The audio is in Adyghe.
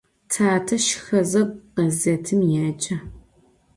Tate şşxeze ğezêtım yêce.